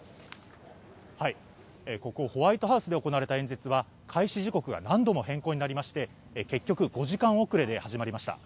ここホワイトハウスで行われた演説は開始時刻が何度も変更になりまして、結局、５時間遅れで始まりました。